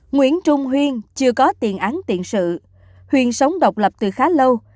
nguyễn trung huyên chưa có tiện án tiện sự huyên sống độc lập từ khá lâu